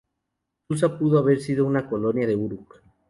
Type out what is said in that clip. Susa pudo haber sido una colonia de Uruk.